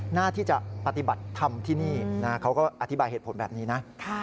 หน้าที่จะปฏิบัติธรรมที่นี่เขาก็อธิบายเหตุผลแบบนี้นะ